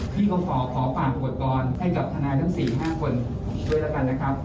พี่ก็ขอฝากอวยพรให้กับทนายทั้ง๔๕คนด้วยแล้วกันนะครับ